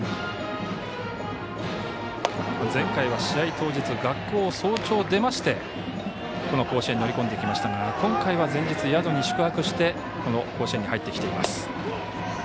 前回は試合当日学校を早朝、出ましてこの甲子園に乗り込んできましたが今回は前日宿に宿泊してこの甲子園に入ってきています。